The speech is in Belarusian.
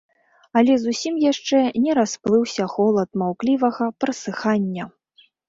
Але зусім яшчэ не расплыўся холад маўклівага прасыхання.